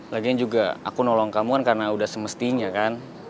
lagian juga aku nolong kamu kan karena udah semestinya kan